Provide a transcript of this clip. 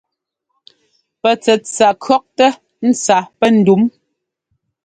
Pɛ tsɛtsa kʉ̈ktɛ́ ntsa pɛ́ ndǔm.